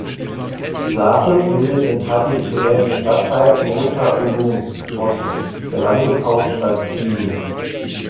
Sare bildet den traditionellen Stadtteil Mota Ulun (Ost) der Landeshauptstadt Dili.